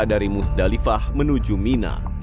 dari musdalifah menuju mina